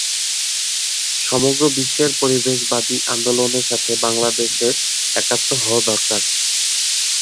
সমগ্র বিশ্বের পরিবেশবাদী আন্দোলনের সাথে বাংলাদেশের একাত্ম হওয়া দরকার।